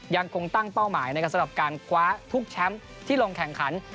ยังคงตั้งเป้าหมายการขวาทุกแชมป์ที่ลงแข่งขัน